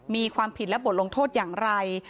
มีความผิดและบทลงโทษอย่างไร